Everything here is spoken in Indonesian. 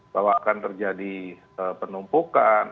bahwa akan terjadi penumpukan